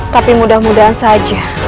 tapi mudah mudahan saja